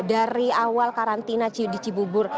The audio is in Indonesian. dari awal karantina di cibubur